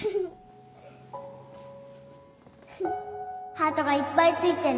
ハートがいっぱい付いてるの